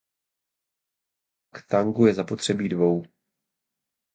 K tangu je zapotřebí dvou.